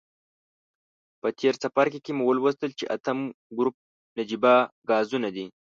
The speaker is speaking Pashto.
په تیر څپرکي کې مو ولوستل چې اتم ګروپ نجیبه غازونه دي.